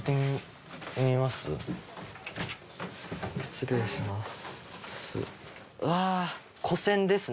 失礼します。